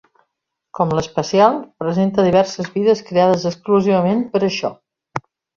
Com l'especial, presenta diverses vides creades exclusivament per a això.